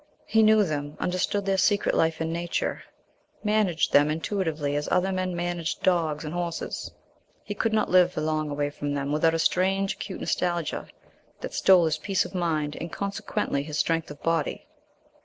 He knew them, understood their secret life and nature, "managed" them intuitively as other men "managed" dogs and horses. He could not live for long away from them without a strange, acute nostalgia that stole his peace of mind and consequently his strength of body.